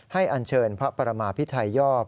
อันเชิญพระประมาพิไทยยอบ